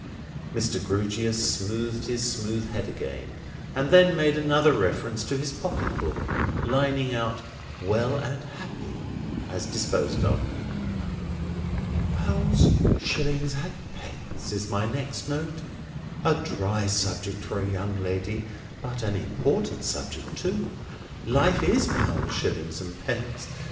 Mr. Grewgious smoothed his smooth head again, and then made another reference to his pocket book; lining out "well and happy," as disposed of. "'Pounds, shillings, and pence,' is my next note. A dry subject for a young lady, but an important subject too. Life is pounds, shillings, and pence.